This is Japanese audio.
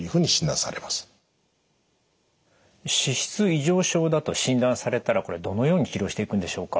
脂質異常症だと診断されたらこれどのように治療していくんでしょうか？